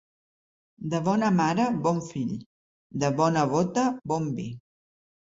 De bona mare, bon fill; de bona bota, bon vi.